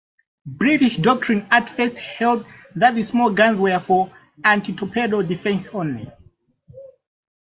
British doctrine at first held that the small guns were for anti-torpedo defense only.